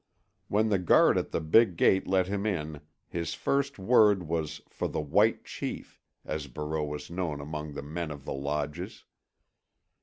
When the guard at the big gate let him in his first word was for the "White Chief," as Barreau was known among the men of the lodges.